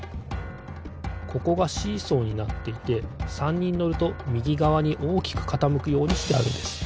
ここがシーソーになっていて３にんのるとみぎがわにおおきくかたむくようにしてあるんです。